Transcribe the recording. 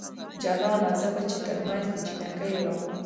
جلانه ! زه به چې ترمنځ د جنکیو راغلم